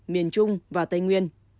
miền trung và tây nguyên